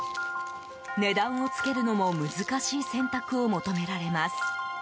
値段を付けるのも難しい選択を求められます。